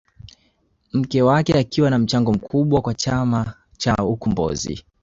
Mke wake akiwa na mchango mkubwa kwa chama cha ukombozi